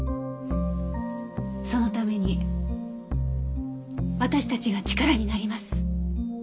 そのために私たちが力になります。